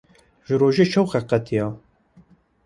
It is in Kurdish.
Ji rojê şewqek qetiya.